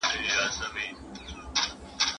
کله چې زه د خپل ګاونډي پوښتنه کوم نو حق یې ادا کوم.